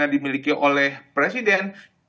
dimiliki oleh presiden